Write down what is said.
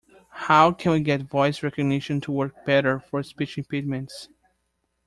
How can we get voice recognition to work better for speech impediments?